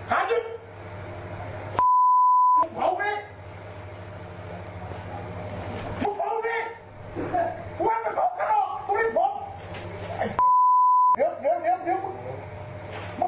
มึงพูดแล้วนะ